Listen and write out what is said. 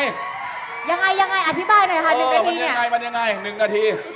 ยังไงมาอธิบายหน่อย๑นาที